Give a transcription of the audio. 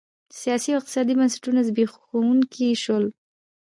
سیاسي او اقتصادي بنسټونه زبېښونکي شول